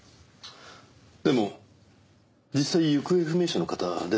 でも実際行方不明者の方出てますよね？